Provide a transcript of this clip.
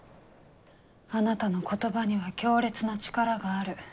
あなたの言葉には強烈な力がある。